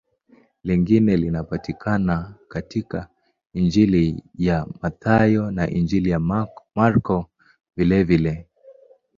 Lingine linapatikana katika Injili ya Mathayo na Injili ya Marko vilevile.